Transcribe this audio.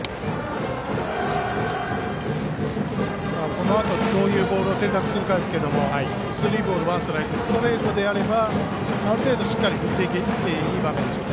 このあとどういうボールを選択するかですけどスリーボール、ワンストライクストレートであればある程度しっかり振っていい場面です。